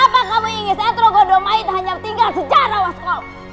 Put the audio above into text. apa kamu ingin setro godomait hanya tinggal sejarah waskol